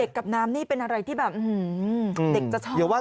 เด็กกับน้ำนี่เป็นอะไรที่แบบเด็กจะชอบ